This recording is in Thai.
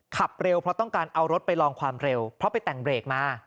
ขับเร็วเพราะต้องการเอารถไปลองความเร็วเพราะไปแต่งเบรกมา